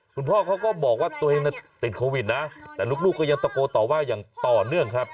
คุณพ่อเขาก็บอกว่าตัวเองติดโควิดนะแต่ลูกก็ยังตะโกนต่อว่าอย่างต่อเนื่องครับ